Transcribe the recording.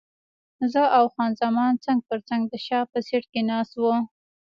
زه او خان زمان څنګ پر څنګ د شا په سیټ کې ناست وو.